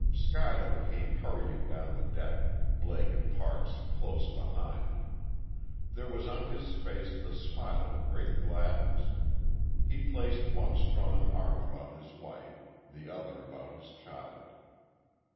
Schuyler came hurrying down the deck, Blake and Parks close behind. There was on his face the smile of great gladness. He placed one strong arm about his wife, the other about his child.